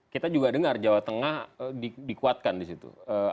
kita juga dengar jawa tengah dikuatkan di situ